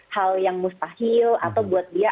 hal yang mustahil atau buat dia